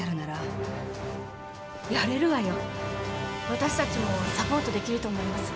私たちもサポート出来ると思います。